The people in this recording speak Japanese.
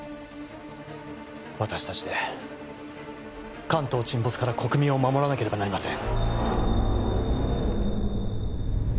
私達で関東沈没から国民を守らなければなりません